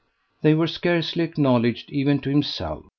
They were scarcely acknowledged even to himself.